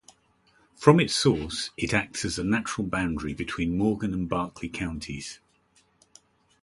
From its source, it acts as a natural boundary between Morgan and Berkeley Counties.